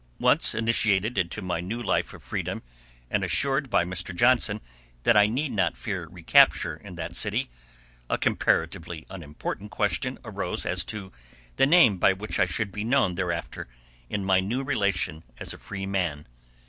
Once initiated into my new life of freedom and assured by Mr. Johnson that I need not fear recapture in that city, a comparatively unimportant question arose as to the name by which I should be known thereafter in my new relation as a free man.